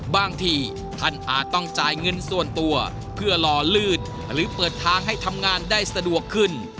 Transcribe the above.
บางทีท่านอาจต้องจ่ายเงินส่วนตัวเพื่อรอลืดหรือเปิดทางให้ทำงานได้สะดวกขึ้น